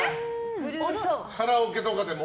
カラオケとかでも？